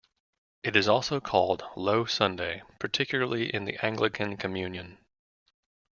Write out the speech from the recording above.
It is also called Low Sunday, particularly in the Anglican Communion.